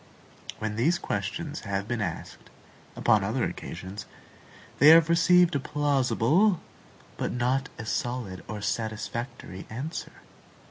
When these questions have been asked, upon other occasions, they have received a plausible, but not a solid or satisfactory answer.